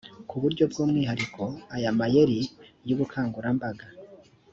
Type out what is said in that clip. ku buryo bw umwihariko aya mayeri y ubukangurambaga